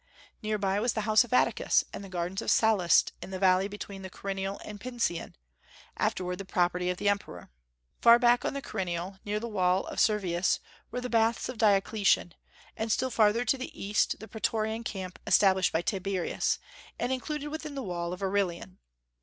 Near by was the house of Atticus, and the gardens of Sallust in the valley between the Quirinal and Pincian, afterward the property of the Emperor. Far back on the Quirinal, near the wall of Servius, were the Baths of Diocletian, and still farther to the east the Pretorian Camp established by Tiberius, and included within the wall of Aurelian.